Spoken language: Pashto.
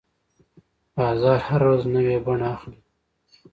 بازار هره ورځ نوې بڼه اخلي.